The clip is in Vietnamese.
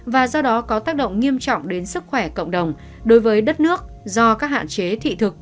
và do đó có tác động nghiêm trọng đến sức khỏe cộng đồng đối với đất nước do các hạn chế thị thực